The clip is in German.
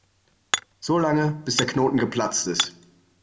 So lange, bis der Knoten geplatzt ist.